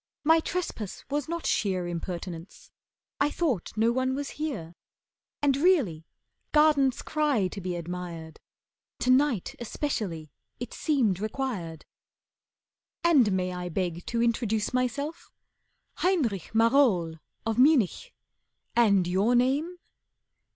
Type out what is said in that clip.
My trespass was not sheer Impertinence. I thought no one was here, And really gardens cry to be admired. To night especially it seemed required. And may I beg to introduce myself? Heinrich Marohl of Munich. And your name?"